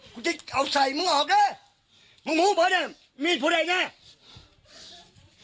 กูจะเอาใส่มึงออกเลยมึงหมูเผาเนี่ยมีดพูดไอ้แน่